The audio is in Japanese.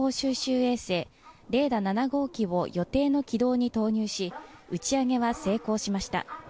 衛星レーダ７号機を予定の軌道に投入し打ち上げは成功しました